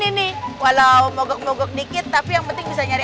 ya ni aku beda tapi our coward dari bahranya embassy sadar banget deh